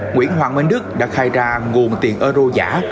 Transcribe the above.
nguyễn hoàng minh đức đã khai ra nguồn tiền euro giả